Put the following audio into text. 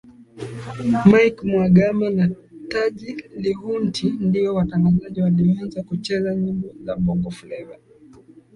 Mike mhagama na taji lihundi ndio watangazaji walioanza kucheza nyimbo za bongofleva